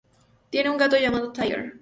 Tiene un gato llamado "Tiger".